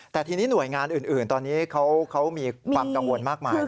แต่ทีนี้หน่วยงานอื่นตอนนี้เขามีความกังวลมากมาย